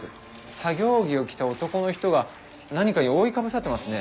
作業着を着た男の人が何かに覆いかぶさってますね。